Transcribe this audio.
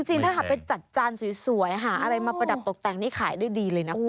ถ้าหากไปจัดจานสวยหาอะไรมาประดับตกแต่งนี่ขายได้ดีเลยนะคุณ